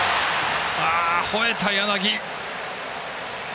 ほえた柳。